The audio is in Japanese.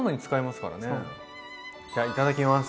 じゃいただきます。